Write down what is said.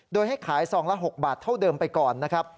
โดยให้ขายซองละ๖บาทเท่าเดิมไปก่อนนะครับ